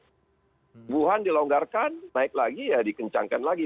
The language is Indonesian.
yang wuhan dilonggarkan naik lagi ya dikencangkan lagi